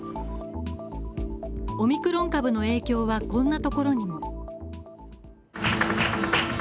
オミクロン株の影響はこんなところにも。